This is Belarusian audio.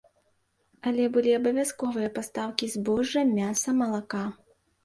Але былі абавязковыя пастаўкі збожжа, мяса, малака.